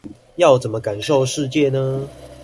要怎麼感受世界呢？